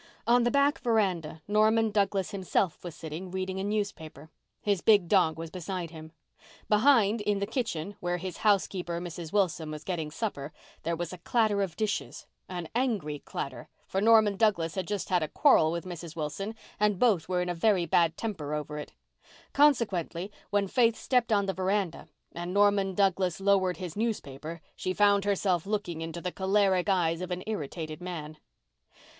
On the back veranda Norman Douglas himself was sitting, reading a newspaper. His big dog was beside him. Behind, in the kitchen, where his housekeeper, Mrs. Wilson, was getting supper, there was a clatter of dishes—an angry clatter, for Norman Douglas had just had a quarrel with Mrs. Wilson, and both were in a very bad temper over it. Consequently, when Faith stepped on the veranda and Norman Douglas lowered his newspaper she found herself looking into the choleric eyes of an irritated man.